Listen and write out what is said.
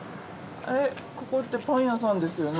ここってパン屋さんですよね？